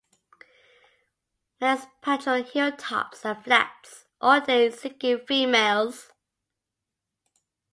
Males patrol hilltops and flats all day seeking females.